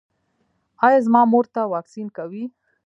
ایا زما مور ته واکسین کوئ؟